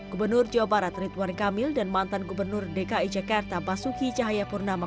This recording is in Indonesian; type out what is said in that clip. gubernur jawa barat ridwan kamil dan mantan gubernur dki jakarta basuki cahayapurnama